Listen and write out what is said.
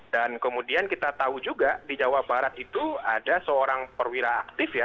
dan kemudian kita tahu juga di jawa barat itu ada seorang perwira aktif ya